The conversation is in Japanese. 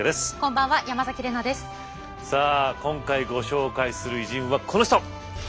今回ご紹介する偉人はこの人。